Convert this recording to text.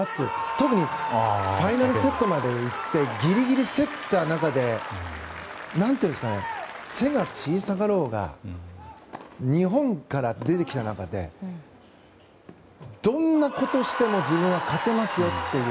特にファイナルセットまでいってギリギリ、競った中で背が小さかろうが日本から出てきた中でどんなことをしても自分は勝てますよっていう。